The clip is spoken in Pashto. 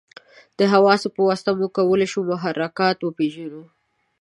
د حواسو په واسطه موږ کولای شو محرکات وپېژنو.